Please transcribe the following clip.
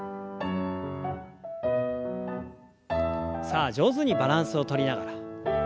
さあ上手にバランスをとりながら。